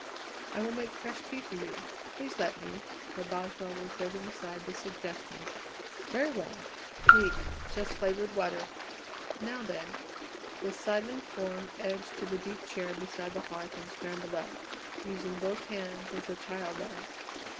"I will make fresh tea for you please let me!" for Boswell was waving aside the suggestion. "Very well! Weak just flavoured water. Now, then!" The sidling form edged to the deep chair beside the hearth and scrambled up, using both hands as a child does.